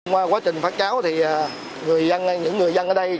qua quá trình phát cháo thì những người dân ở đây